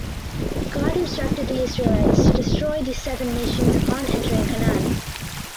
God instructed the Israelites to destroy these seven nations upon entering Canaan.